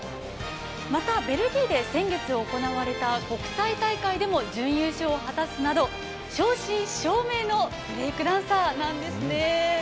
また、ベルギーで先月行われた国債大会でも準優勝を果たすなど正真正銘のブレークダンサーなんですね。